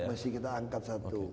ya mesti kita angkat satu